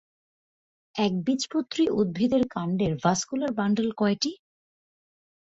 একবীজপত্রী উদ্ভিদের কাণ্ডের ভাস্কুলার বান্ডল কয়টি?